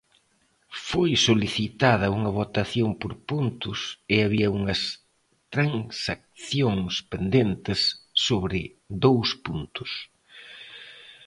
Foi solicitada unha votación por puntos e había unhas transaccións pendentes sobre dous puntos.